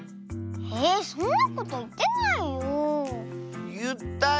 えそんなこといってないよ。